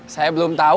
saya belum tahu